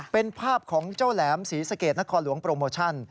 เป็นภาพของเจ้าแหลมศรีสะเกดนครหลวงโปรโมชั่น